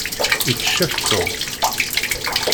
Itteccef Tom.